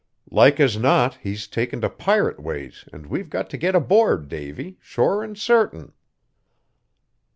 Like as not he's taken to pirate ways and we've got to get aboard, Davy, sure and certain."